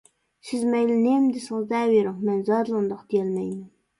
سىز مەيلى نېمە دېسىڭىز دەۋېرىڭ مەن زادىلا ئۇنداق دېيەلمەيمەن.